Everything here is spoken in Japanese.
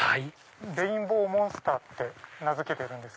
レインボーモンスターって名付けてる。